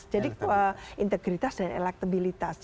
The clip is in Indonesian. jadi integritas dan elektabilitas